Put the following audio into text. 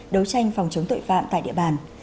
đấu tranh phòng chống tội phạm tại địa bàn